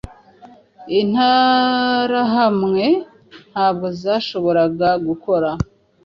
Interahamwe ntabwo zashoboraga gukora